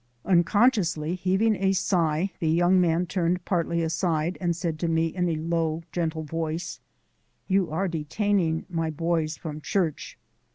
Unconsciously heaving a sigh the young man turned partly aside and said to me in a low, gentle voice: "You are detaining my boys from church."